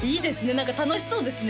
何か楽しそうですね